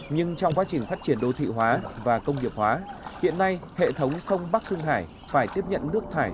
nhưng trong quá trình phát triển đô thị hóa và công nghiệp hóa hiện nay hệ thống sông bắc hưng hải phải tiếp nhận nước thải